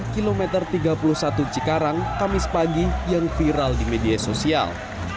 kilometer tiga puluh satu cikarang kamis pagi yang viral di media sosial